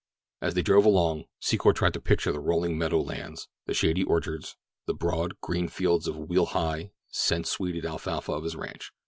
As they drove along, Secor tried to picture the rolling meadow lands, the shady orchards, the broad, green fields of wheel high, sweet scented alfalfa of his ranch.